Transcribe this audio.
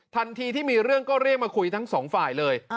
ทันทีที่มีเรื่องก็เรียกมาคุยทั้งสองฝ่ายเลย